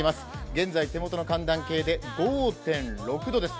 現在、手元の寒暖計で５．６度です。